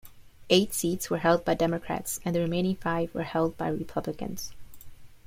Eight seats were held by Democrats, and the remaining five were held by Republicans.